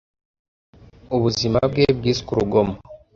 Ubuzima bwe bwiswe urugomo